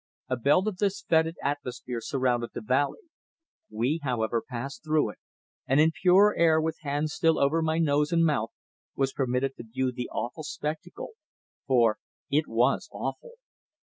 A belt of this foetid atmosphere surrounded the valley. We, however, passed through it, and in purer air, with hands still over my nose and mouth, was permitted to view the awful spectacle for it was awful.